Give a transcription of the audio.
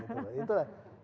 iya semuanya bertahan